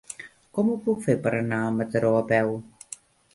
Com ho puc fer per anar a Mataró a peu?